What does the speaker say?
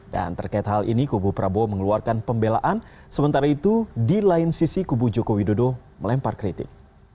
dan terkait hal ini kubu prabowo mengeluarkan pembelaan sementara itu di lain sisi kubu joko widodo melempar kritik